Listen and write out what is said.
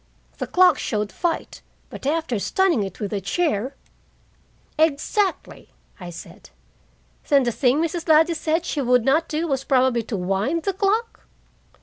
The clock showed fight, but after stunning it with a chair " "Exactly!" I said. "Then the thing Mrs. Ladley said she would not do was probably to wind the clock?"